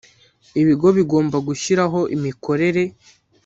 ibigo bigomba gushyiraho imikorere